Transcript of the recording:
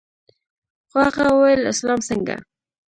خو هغه وويل اسلام څنگه.